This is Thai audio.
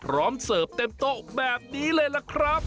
เสิร์ฟเต็มโต๊ะแบบนี้เลยล่ะครับ